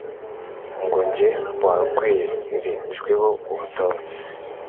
ngo njye wakwerejweho ubutore